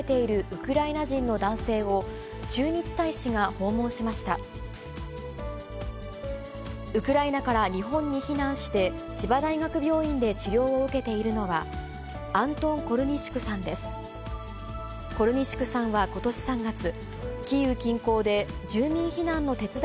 ウクライナから日本に避難して、千葉大学病院で治療を受けているのは、アントン・コルニシュクさんです。